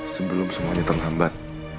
sebelum semuanya terlambat